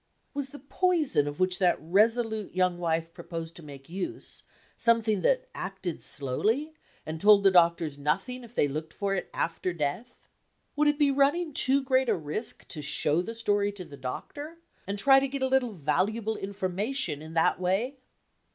Was the poison of which that resolute young wife proposed to make use something that acted slowly, and told the doctors nothing if they looked for it after death? Would it be running too great a risk to show the story to the doctor, and try to get a little valuable information in that way?